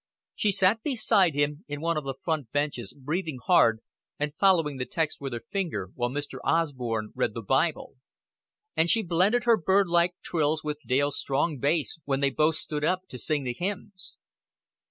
She sat beside him in one of the front benches, breathing hard, and following the text with her finger, while Mr. Osborn read the Bible; and she blended her birdlike trills with Dale's strong bass when they both stood up to sing the hymns.